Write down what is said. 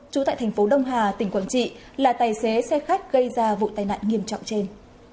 trú tại thành phố đông hà tỉnh quảng trị là tài xế xe khách gây ra vụ tai nạn nghiêm trọng trên